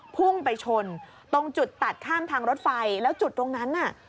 พุ่งไปชนตรงจุดตัดข้ามทางรถไฟแล้วจุดตรงนั้นน่ะ